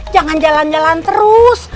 jangan jalan jalan terus